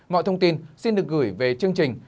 mọi thông tin xin được gửi về chương trình